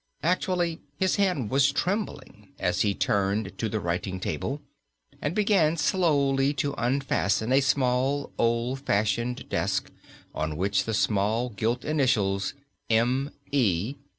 Actually his hand was trembling as he turned to the writing table and began slowly to unfasten a small old fashioned desk on which the small gilt initials "M.E."